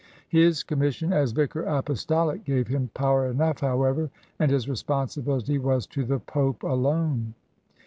His commission as Vicar Apostolic gave him power enough, however, and his responsibility was to the Pope alone.